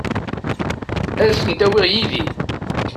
Ad ten-awiɣ yid-i.